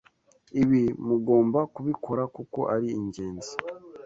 Ibi mugomba kubikora kuko ari inngenzi